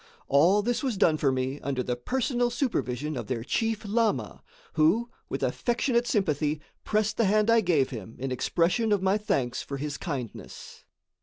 All this was done for me under the personal supervision of their chief lama, who, with affectionate sympathy, pressed the hand I gave him in expression of my thanks for his kindness.